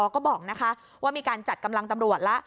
ก็บอกว่ามีการจัดกำลังตำรวจแล้ว